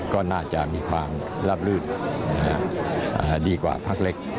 ก็น่าจะมีความลาบลื่นดีกว่าพักเล็ก